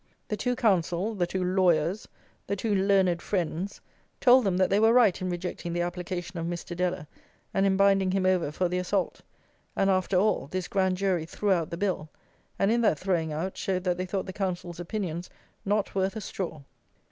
The two "counsel," the two "lawyers," the two "learned friends," told them that they were right in rejecting the application of Mr. Deller and in binding him over for the assault; and, after all, this Grand Jury threw out the Bill, and in that throwing out showed that they thought the counsels' opinions not worth a straw.